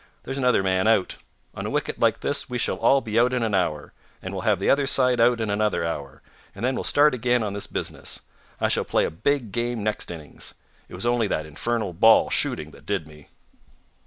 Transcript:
There's another man out. On a wicket like this we shall all be out in an hour, and we'll have the other side out in another hour, and then we'll start again on this business. I shall play a big game next innings. It was only that infernal ball shooting that did me."